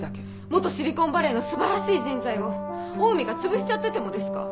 元シリコンバレーの素晴らしい人材をオウミがつぶしちゃっててもですか？